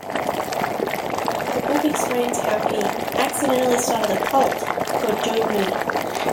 The book explains how he "accidentally started a 'cult'" called Join Me.